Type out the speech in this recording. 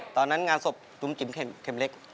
ตอนนั้นงานศพจุ๋มจิ๋มเข็มเล็ก